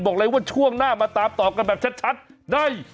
บอกเลยว่าช่วงหน้ามาตามต่อกันแบบชัดได้